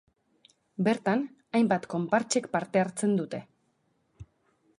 Bertan, hainbat konpartsek parte hartzen dute.